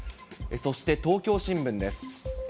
そして東京新聞です。